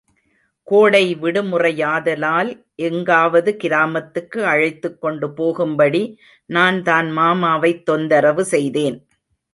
கோடை விடுமுறையாதலால் எங்காவது கிராமத்துக்கு அழைத்துக்கொண்டு போகும்படி நான்தான் மாமாவைத் தொந்தரவு செய்தேன்.